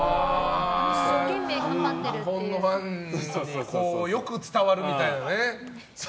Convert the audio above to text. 日本のファンに良く伝わるみたいなね。